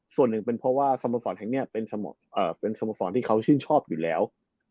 ส่วนหนึ่งเป็นเพราะว่าสโมสรแห่งนี้เป็นสโมสรที่เขาชื่นชอบอยู่แล้ว